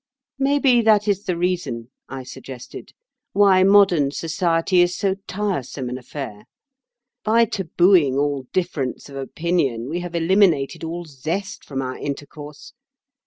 "Maybe that is the reason," I suggested, "why modern society is so tiresome an affair. By tabooing all difference of opinion we have eliminated all zest from our intercourse.